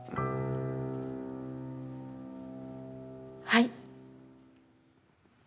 はい。